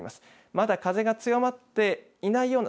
まだ風が強まっていないような